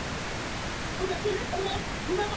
Durante la pleamar es navegable.